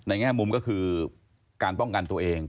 แง่มุมก็คือการป้องกันตัวเอง